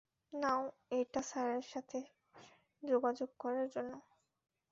নাও, এটা স্যারের সাথে যোগাযোগ করার জন্য।